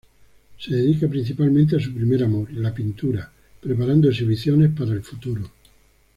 Se dedica principalmente a su primer amor, la pintura, preparando exhibiciones para el futuro.